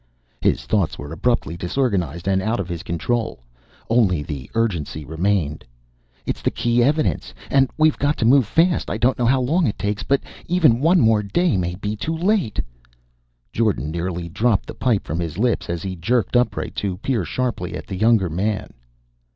His thoughts were abruptly disorganized and out of his control. Only the urgency remained. "It's the key evidence. And we've got to move fast! I don't know how long it takes, but even one more day may be too late!" Jordan nearly dropped the pipe from his lips as he jerked upright to peer sharply at the younger man.